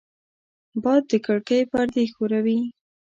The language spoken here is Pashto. باد د کړکۍ پردې ښوروي